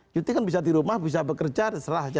cuti kan bisa di rumah bisa bekerja serah saja